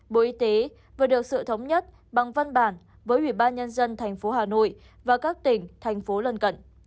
bộ y tế vừa được sự thống nhất bằng văn bản với ubnd tp hà nội và các tỉnh thành phố lân cận